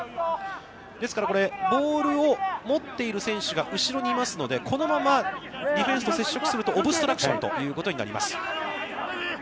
ですから、ボールを持っている選手が後ろにいますので、このままディフェンスと接触すると、オブストラクションということになります。